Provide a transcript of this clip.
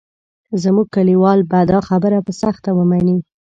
زموږ کلیوال به دا خبره په سخته ومني.